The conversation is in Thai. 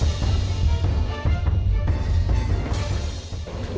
ตอนที่คบกันก็รักกันค่ะ